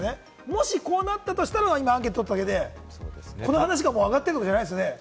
もしこうなったとしたらというアンケートで、この話が上がっているわけじゃないですよね。